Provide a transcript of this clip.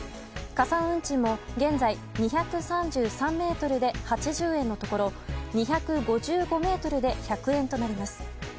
加算運賃も現在２３３ｍで８０円のところ２５５ｍで１００円となります。